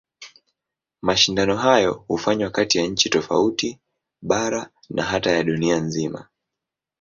Mashindano hayo hufanywa kati ya nchi tofauti, bara na hata ya dunia nzima.